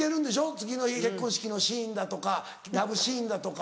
次の日結婚式のシーンだとかラブシーンだとか。